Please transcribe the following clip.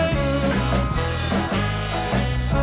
รับทราบ